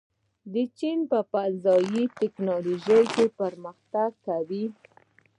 چین په فضايي تکنالوژۍ کې پرمختګ کوي.